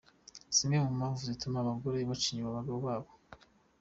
Zimwe mu mpamvu zituma abagore baca inyuma abagabo babo